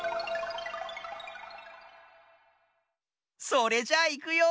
それじゃいくよ。